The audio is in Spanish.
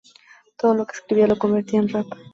Todo lo que escribía lo convertía en rap.